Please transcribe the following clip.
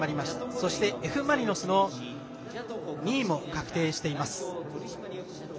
そしてＦ・マリノスの２位も確定しています。